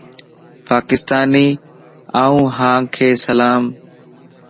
پاڪستاني اوھانک سلام